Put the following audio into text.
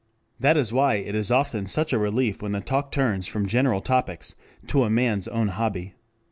That is why it is often such a relief when the talk turns from "general topics" to a man's own hobby.